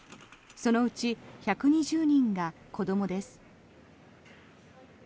そのうち１２０人が子どもです。